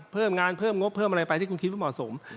เพิ่มงานเพิ่มงบเพิ่มอะไรไปที่คุณคิดว่าเหมาะสม